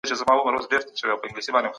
هغه څوک چي توبه ونه کړي، ظالم بلل کيږي.